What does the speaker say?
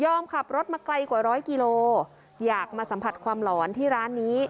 ขับรถมาไกลกว่าร้อยกิโลอยากมาสัมผัสความหลอนที่ร้านนี้